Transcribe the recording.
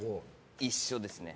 一緒ですね。